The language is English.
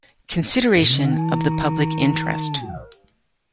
consideration of the public interest.